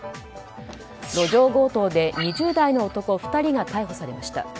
路上強盗で２０代の男２人が逮捕されました。